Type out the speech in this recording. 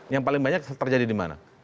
yang paling banyak terjadi di mana